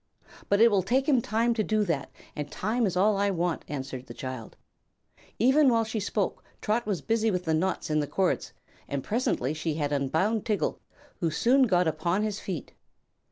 "But it will take him time to do that, and time is all I want," answered the child. Even while she spoke Trot was busy with the knots in the cords, and presently she had unbound Tiggle, who soon got upon his feet.